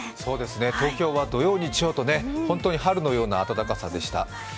東京は土曜・日曜と本当に春のような暖かさでした。